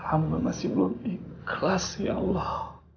allah masih belum ikhlas ya allah